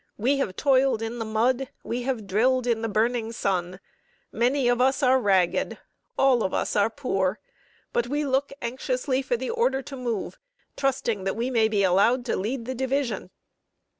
We have toiled in the mud, we have drilled in the burning sun. Many of us are ragged all of us are poor. But we look anxiously for the order to move, trusting that we may be allowed to lead the division."